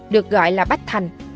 được gọi là bách thành